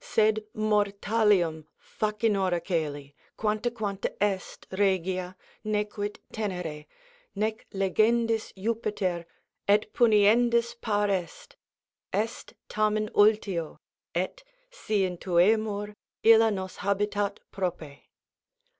—sed mortalium Facinora cœli, quantaquanta est, regia Nequit tenere: nec legendis Juppiter Et puniendis par est. Est tamen ultio, Et, si intuemur, illa nos habitat prope.")